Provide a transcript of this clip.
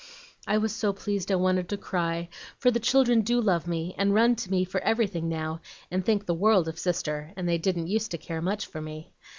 "I was SO pleased I wanted to cry, for the children DO love me, and run to me for everything now, and think the world of Sister, and they didn't use to care much for me.